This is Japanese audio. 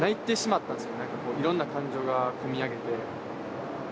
いろんな感情が込み上げて。